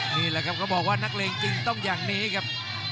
นี่แหละครับเขาบอกว่านักเลงจริงต้องอย่างนี้ครับ